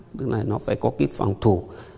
tức là nó phải có cái phòng thủ